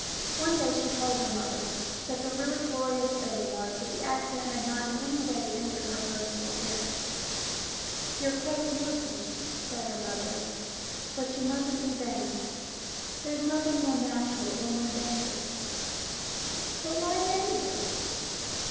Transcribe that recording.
One day she told her mother that the really glorious thing was that the accident had not in any way injured her personal appearance. " You're quite beautiful," said her mother, " but you mustn't be vain. There's nothing more natural or more dangerous." " But why dangerous